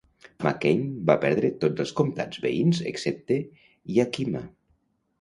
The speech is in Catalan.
McCain va perdre tots els comtats veïns excepte Yakima.